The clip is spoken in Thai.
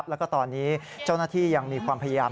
แล้วก็ตอนนี้เจ้าหน้าที่ยังมีความพยายาม